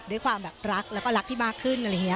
ด้วยความรักแล้วก็รักที่มากขึ้น